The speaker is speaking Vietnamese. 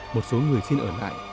một số người xin ở lại